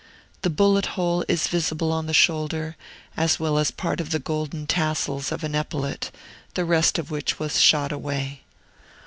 The bullet hole is visible on the shoulder, as well as a part of the golden tassels of an epaulet, the rest of which was shot away.